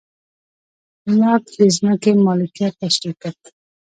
لاک د ځمکې مالکیت تشرېح کړ.